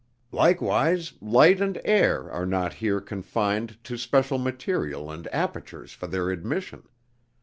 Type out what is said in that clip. Likewise light and air are not here confined to special material and apertures for their admission.